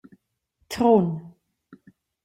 Trun.